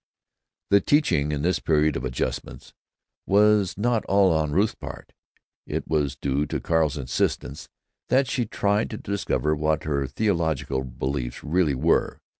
The teaching, in this Period of Adjustments, was not all on Ruth's part. It was due to Carl's insistence that she tried to discover what her theological beliefs really were.